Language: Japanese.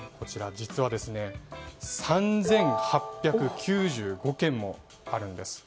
実は、３８９５件もあるんです。